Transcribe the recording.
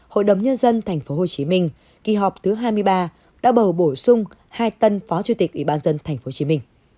hội đồng nhân dân tp hcm kỳ họp thứ hai mươi ba đã bầu bổ sung hai tân phó chủ tịch ubnd tp hcm